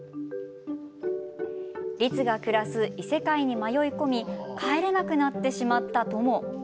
リツが暮らす異世界に迷い込み帰れなくなってしまったトモ。